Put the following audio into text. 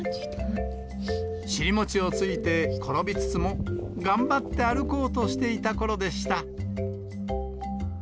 尻餅をついて転びつつも、頑張って歩こうとしていたころでした。